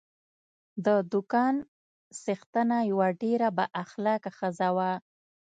د دوکان څښتنه یوه ډېره با اخلاقه ښځه وه.